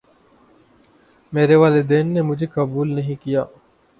میرے والدین نے مجھے قبول نہیں کیا